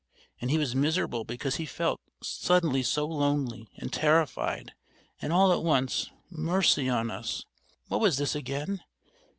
And he was miserable because he felt suddenly so lonely and terrified, and all at once, mercy on us! What was this again?